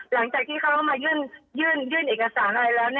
หลังจากที่เขามายื่นเอกสารอะไรแล้ว